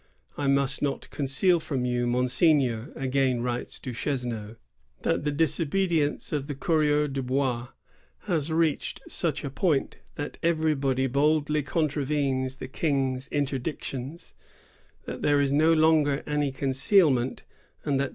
" I must not conceal from you, Monseigneur," again writes Duchesneau, "that the disobedience of the coureurs de hois has reached such a point that everybody boldly contravenes the King's interdictions; that there is no longer any concealment; and that parties ^ Le Roy a Frontenac, 30 Avnlf 1681.